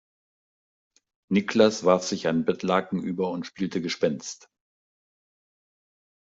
Niklas warf sich ein Bettlaken über und spielte Gespenst.